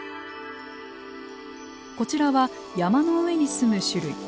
こちらは山の上に住む種類。